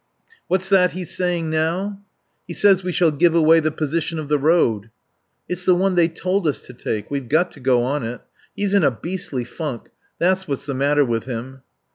"What's that he's saying now?" "He says we shall give away the position of the road." "It's the one they told us to take. We've got to go on it. He's in a beastly funk. That's what's the matter with him."